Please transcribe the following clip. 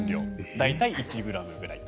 大体１ｇぐらいと。